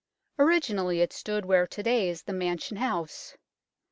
Originally it stood where to day is the Mansion House.